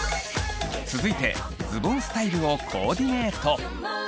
続いてズボンスタイルをコーディネート。